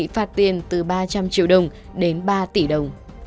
phạt tiền từ ba trăm linh triệu đồng đến ba tỷ đồng